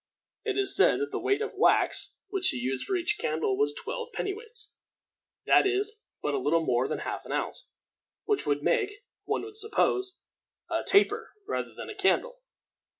It is said that the weight of wax which he used for each candle was twelve pennyweights, that is, but little more than half an ounce, which would make, one would suppose, a taper rather than a candle.